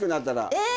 えっ